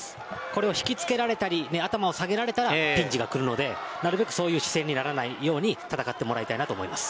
これを引きつけられたり頭を下げられたらピンチがくるのでなるべくそういった姿勢にならないように戦ってほしいです。